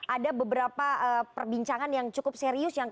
ada beberapa perbincangan yang cukup serius